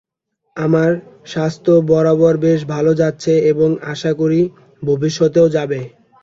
আমার স্বাস্থ্য বরাবর বেশ ভাল যাচ্ছে এবং আশা করি, ভবিষ্যতেও যাবে।